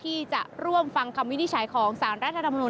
ที่จะร่วมฟังคำวินิจฉัยของสารรัฐธรรมนุน